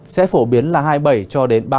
sẽ phổ biến là hai mươi bảy cho đến